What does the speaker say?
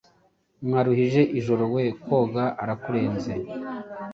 Mwaruhije ijoro we koga arakurenze